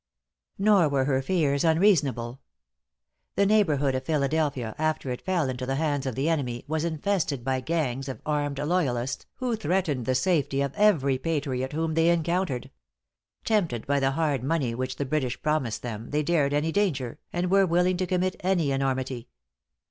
Nor were her fears unreasonable. The neighborhood of Philadelphia, after it fell into the hands of the enemy, was infested by gangs of armed loyalists, who threatened the safety of every patriot whom they encountered. Tempted by the hard money which the British promised them, they dared any danger, and were willing to commit any enormity.